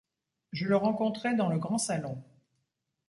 Je le rencontrai dans le grand salon.